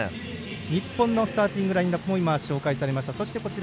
日本のスターティングラインアップも紹介されました。